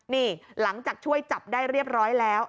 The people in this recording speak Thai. นี่หลังจากช่วยจับได้เรียบร้อยแล้ว